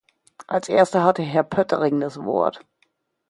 Als Erster hat Herr Poettering das Wort.